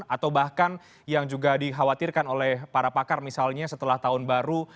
atau bahkan yang juga dikhawatirkan oleh para pakar misalnya setelah tahun baru